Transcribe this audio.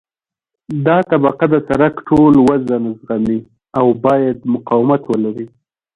دا طبقه د سرک ټول وزن زغمي او باید مقاومت ولري